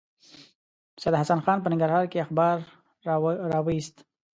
سید حسن خان په ننګرهار کې اخبار راوایست.